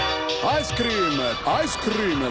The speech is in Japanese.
アイスクリームアイスクリーム